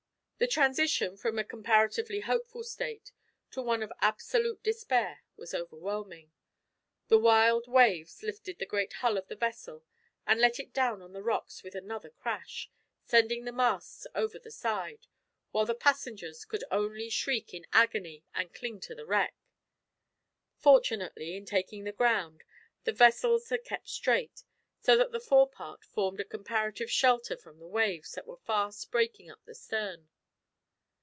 The transition from a comparatively hopeful state to one of absolute despair was overwhelming. The wild waves lifted the great hull of the vessel and let it down on the rocks with another crash, sending the masts over the side, while the passengers could only shriek in agony and cling to the wreck. Fortunately, in taking the ground, the vessel had kept straight, so that the forepart formed a comparative shelter from the waves that were fast breaking up the stern.